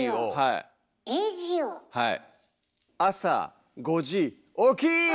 はい。